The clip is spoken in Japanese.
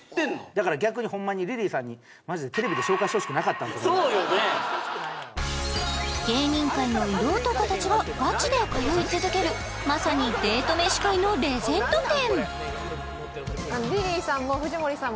だから逆にホンマにそうよね芸人界の色男達がガチで通い続けるまさにデート飯界のレジェンド店